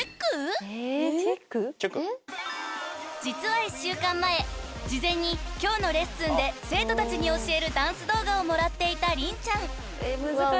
［実は１週間前事前に今日のレッスンで生徒たちに教えるダンス動画をもらっていた凛ちゃん］